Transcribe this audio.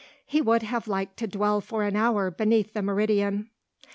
He would have liked to dwell for an hour beneath the meridian.